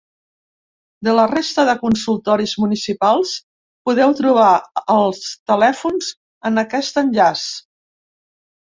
De la resta de consultoris municipals, podeu trobar els telèfons en aquest enllaç.